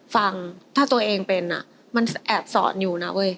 ฟังถ้าตัวเองเป็นมันแอบสอนอยู่นะเว้ย